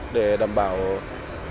để đảm bảo kỹ thuật